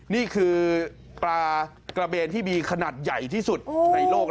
นี่คือปลากระเบนที่มีขนาดใหญ่ที่สุดในโลก